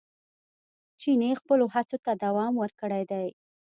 چیني خپلو هڅو ته دوام ورکړی دی.